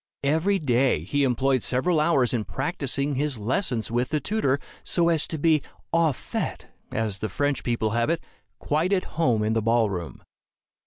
Every day he employed several hours in practicing his lessons with the tutor, so as to be au fait, as the French people have it quite at home in the ball room.